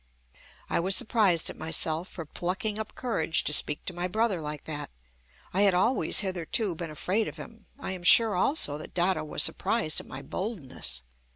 I was surprised at myself for plucking up courage speak to my brother like that. I had always hitherto been afraid of him. I am sure also that Dada was surprised at my boldness.